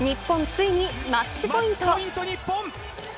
ついにマッチポイント。